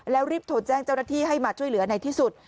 แล้วรีบโทรแจ้งเจ้าหน้าที่ให้มาช่วยเหลือในที่สุด